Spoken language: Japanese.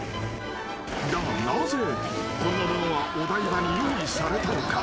［だがなぜこんなものがお台場に用意されたのか？］